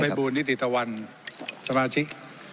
ท่านใบบูรณ์นิติตะวันสมาชิก